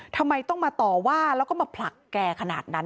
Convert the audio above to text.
ทำไมต้องมาต่อว่าแล้วก็มาผลักแกขนาดนั้น